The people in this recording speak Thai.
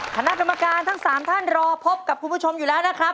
คณะกรรมการทั้ง๓ท่านรอพบกับคุณผู้ชมอยู่แล้วนะครับ